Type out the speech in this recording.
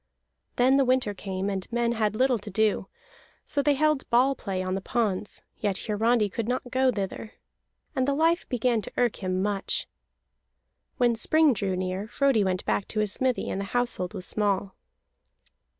Then the winter came, and men had little to do, so they held ball play on the ponds; yet Hiarandi could not go thither. And the life began to irk him much. When spring drew near, Frodi went back to his smithy, and the household was small.